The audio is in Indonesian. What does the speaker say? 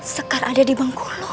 sekar ada di bangkulo